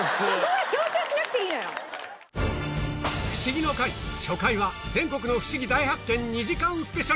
『フシギの会』初回は全国のフシギ大発見２時間スペシャル